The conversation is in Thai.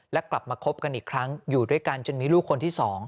และกลับมาคบกันอีกครั้งอยู่ด้วยกันจนมีลูกคนที่๒